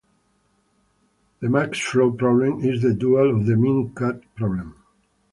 The max-flow problem is the dual of the min-cut problem.